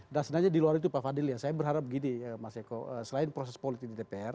dan sebenarnya di luar itu pak fadil saya berharap begini mas eko selain proses politik di dpr